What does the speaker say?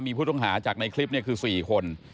มีผู้ต้องหาจากในคลิปคือ๔คน